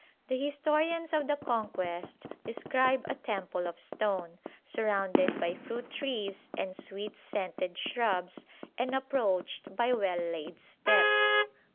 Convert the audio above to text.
The historians of the Conquest describe a temple of stone, surrounded by fruit trees and sweet scented shrubs, and approached by well laid steps.